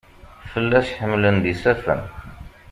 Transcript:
Fell-as ḥemlen-d isafen.